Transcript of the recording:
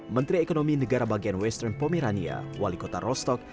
menteri ekonomi negara bagian western pomerania wali kota rostock